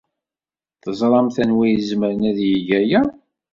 Teẓramt anwa ay izemren ad yeg aya?